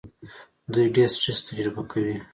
دوی ډېر سټرس تجربه کوي.